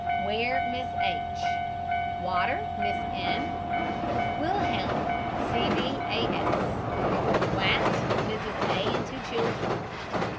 WARE, MISS H. WATTER, MISS N. WILHELM, C. WAT, MRS. A., and two children.